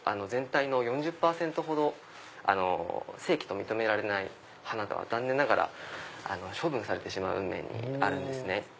全体の４０％ほど正規と認められない花が残念ながら処分されてしまう運命にあるんですね。